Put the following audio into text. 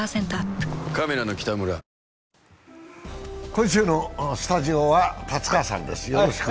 今週のスタジオは達川さんです。